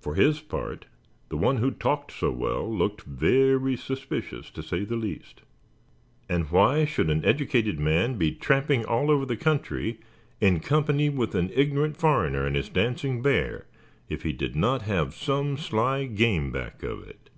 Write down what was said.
For his part, the one who talked so well, looked very suspicious, to say the least; and why should an educated man be tramping all over the country in company with an ignorant foreigner and his dancing bear, if he did not have some sly game back of it?